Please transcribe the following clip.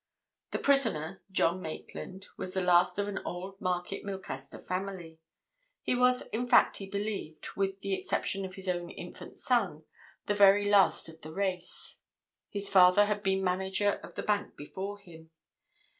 The prisoner, John Maitland, was the last of an old Market Milcaster family—he was, in fact, he believed, with the exception of his own infant son, the very last of the race. His father had been manager of the bank before him.